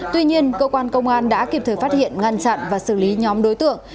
tuy nhiên cơ quan công an đã kịp thời phát hiện ngăn chặn và xử lý nhóm đối tượng